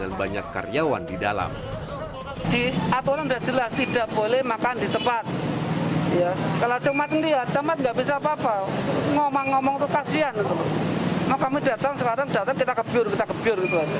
kalau kami datang sekarang datang kita keburu kita keburu